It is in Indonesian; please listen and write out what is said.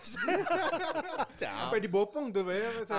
sampai dibopong tuh pak ya